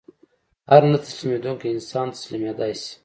هر نه تسلیمېدونکی انسان تسلیمېدای شي